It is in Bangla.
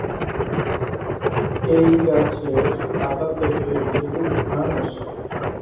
এই গাছের পাতা থেকে লেবুর ঘ্রাণ আসে।